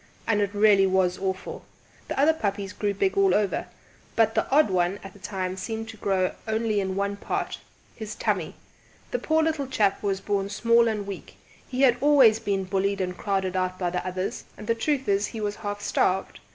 And it really was awful! The other puppies grew big all over, but the odd one at that time seemed to grow only in one part his tummy! The poor little chap was born small and weak; he had always been bullied and crowded out by the others, and the truth is he was half starved.